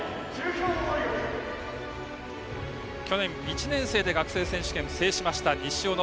去年１年生で学生選手権を制した西小野。